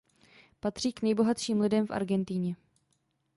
Patří k nejbohatším lidem v Argentině.